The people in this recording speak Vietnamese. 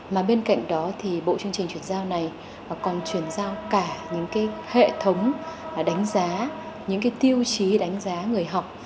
mà bên cạnh đó thì bộ chương trình truyền giao này còn truyền giao cả những hệ thống đánh giá những tiêu chí đánh giá người học